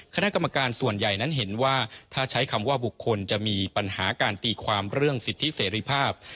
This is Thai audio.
คณะกรรมการส่วนใหญ่นั้นเห็นว่าถ้าใช้คำว่าบุคคลจะมีปัญหาการตีความเรื่องสิทธิเสรีภาพ